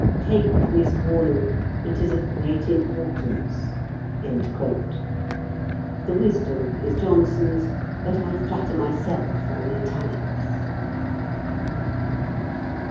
Take this warning; it is of great importance." (The wisdom is Johnson's, but I flatter myself on the italics.)